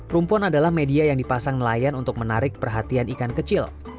rumpon adalah media yang dipasang nelayan untuk menarik perhatian ikan kecil